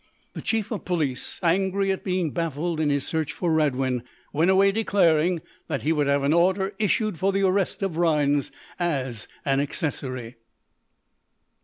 The Chief of Police, angry at being baffled in his search for Radwin, went away declaring that he would have an order issued for the arrest of Rhinds as an accessory.